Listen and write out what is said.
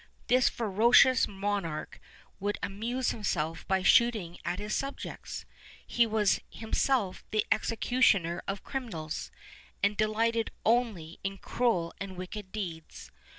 This ferocious monarch would amuse himself by shooting at his subjects; he was him self the executioner of criminals, and delighted only in cruel and wicked deeds.